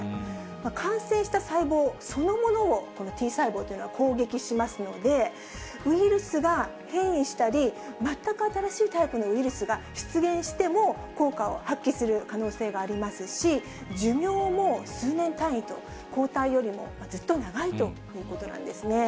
感染した細胞そのものをＴ細胞というのは攻撃しますので、ウイルスが変異したり、全く新しいタイプのウイルスが出現しても効果を発揮する可能性がありますし、寿命も数年単位と、抗体よりもずっと長いということなんですね。